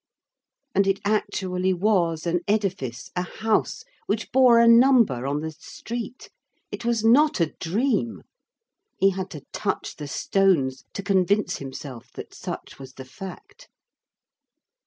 And it actually was an edifice, a house, which bore a number on the street! It was not a dream! He had to touch the stones to convince himself that such was the fact.